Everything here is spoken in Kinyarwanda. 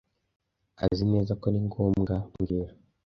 Azineza ko ari ngombwa mbwira